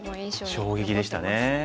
衝撃でしたね。